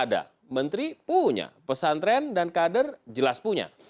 ada menteri punya pesantren dan kader jelas punya